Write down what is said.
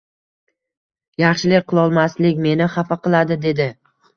Yaxshilik qilolmaslik meni xafa qiladi”, dedi